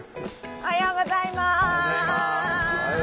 おはようございます！